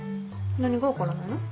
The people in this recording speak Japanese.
何が分からないの？